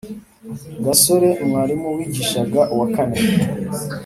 gasore mwarimu wigishaga uwakane